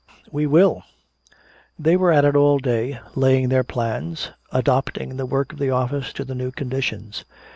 "We will!" They were at it all day, laying their plans, "adopting" the work of the office to the new conditions.